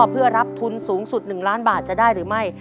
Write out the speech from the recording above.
เพื่อรับทุนสูงสุด๑ล้านบาทจะได้หรือไม่